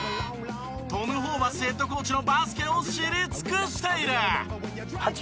トム・ホーバスヘッドコーチのバスケを知り尽くしている。